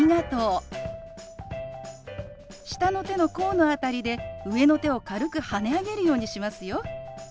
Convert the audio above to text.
下の手の甲の辺りで上の手を軽くはね上げるようにしますよ。